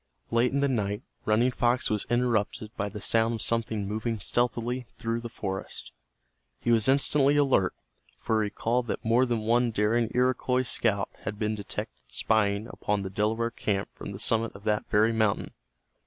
Late in the night Running Fox was interrupted by the sound of something moving stealthily through the forest. He was instantly alert, for he recalled that more than one daring Iroquois scout had been detected spying upon the Delaware camp from the summit of that very mountain.